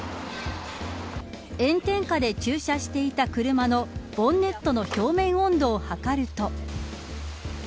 炎天下で駐車していた車のボンネットの表面温度を測ると。